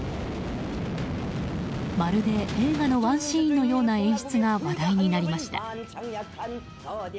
まるで映画のワンシーンのような演出が話題になりました。